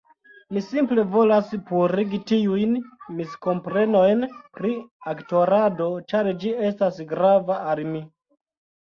Mi simple volas purigi tiujn miskomprenojn pri aktorado, ĉar ĝi estas grava al mi.